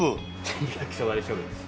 全部焼きそばで勝負です。